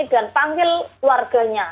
dan panggil warganya